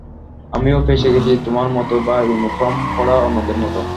আমিও ফেঁসে গেছি তোমার মতো, বা ইউনিফর্ম পড়া অন্যদের মতো।